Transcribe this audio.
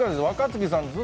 若槻さん